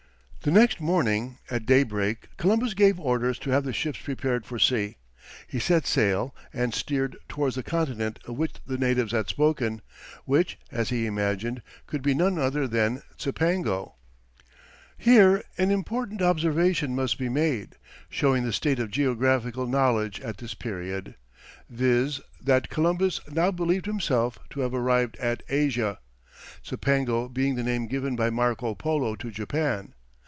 The next morning, at daybreak, Columbus gave orders to have the ships prepared for sea; he set sail, and steered towards the continent of which the natives had spoken, which, as he imagined, could be none other than Cipango. Here an important observation must be made, showing the state of geographical knowledge at this period: viz. that Columbus now believed himself to have arrived at Asia, Cipango being the name given by Marco Polo to Japan.